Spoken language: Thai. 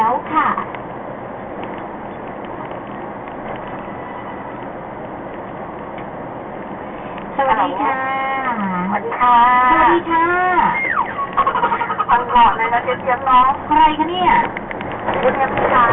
แล้วกดดซะในลังค์ขอบคุณค่ะครับนะครับ